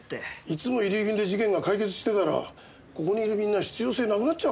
いつも遺留品で事件が解決してたらここにいるみんな必要性なくなっちゃうからな。